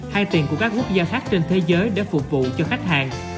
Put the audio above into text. hay tiền của các quốc gia khác trên thế giới để phục vụ cho khách hàng